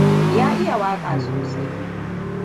Ya iya waƙa sosai.